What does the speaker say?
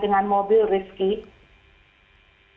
dengan mobil rizky